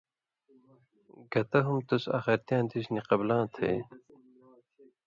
گتہ ہُم تُس (آخِرتیاں دیس) نی قبلاں تھئ؟